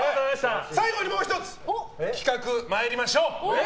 最後にもう１つ企画、参りましょう！